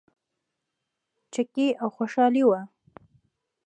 چکې او خوشحالي وه.